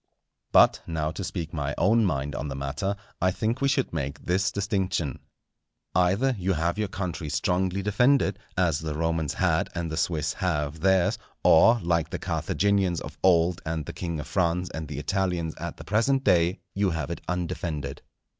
But now to speak my own mind on the matter, I think we should make this distinction. Either you have your country strongly defended, as the Romans had and the Swiss have theirs, or, like the Carthaginians of old and the King of France and the Italians at the present day, you have it undefended.